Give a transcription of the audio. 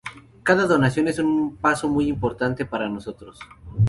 Cada donación es un paso muy importante para nosotros.